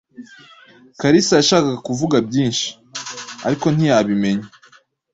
Kalisa yashakaga kuvuga byinshi, ariko ntiyabimenya